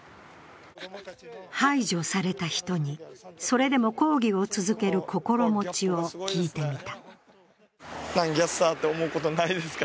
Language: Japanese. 排除された人に、それでも抗議を続ける心持ちを聞いてみた。